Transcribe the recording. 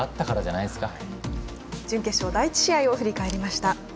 準決勝第１試合を振り返りました。